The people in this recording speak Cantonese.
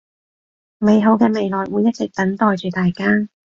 美好嘅未來會一直等待住大家